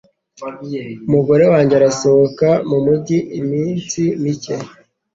Umugore wanjye arasohoka mumujyi iminsi mike.